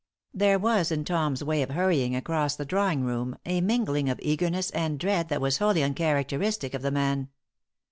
There was in Tom's way of hurrying across the drawing room a mingling of eagerness and dread that was wholly uncharacteristic of the man.